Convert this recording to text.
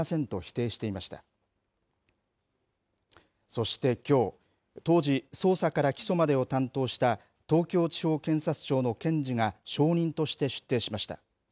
そしてきょう、当時、捜査から起訴までを担当した、東京地方検察庁の検事が証人として出廷しました。